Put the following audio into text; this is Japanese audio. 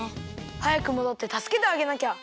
はやくもどってたすけてあげなきゃ！